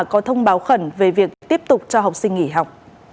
có thông báo khẩn về việc tiếp tục cho học sinh nghỉ học